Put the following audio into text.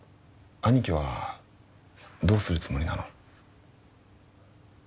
兄貴はどうするつもりなの？